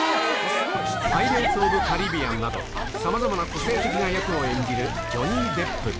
パイレーツ・オブ・カリビアンなど、さまざまな個性的な役を演じるジョニー・デップ。